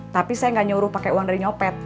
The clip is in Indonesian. tapi saya nggak nyuruh pakai uang dari nyopet